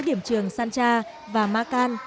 điểm trường sancha và makan